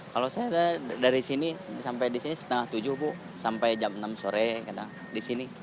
kalau saya dari sini sampai di sini setengah tujuh bu sampai jam enam sore kadang di sini